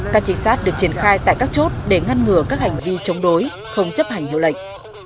các trinh sát được triển khai tại các chốt để ngăn ngừa các hành vi chống đối không chấp hành hiệu lệnh